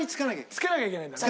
つけなきゃいけないんだね。